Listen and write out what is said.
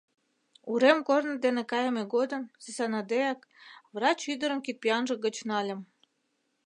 Урем корно дене кайыме годым, сӱсаныдеак, врач ӱдырым кидпӱанже гыч нальым.